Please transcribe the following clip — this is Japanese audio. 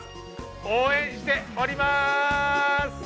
応援しております！